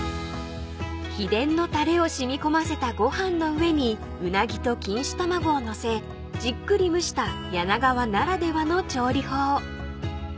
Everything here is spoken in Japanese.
［秘伝のたれを染み込ませたご飯の上にうなぎと錦糸卵を載せじっくり蒸した柳川ならではの調理法］